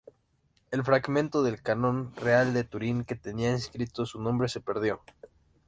El fragmento del Canon Real de Turín que tenía inscrito su nombre se perdió.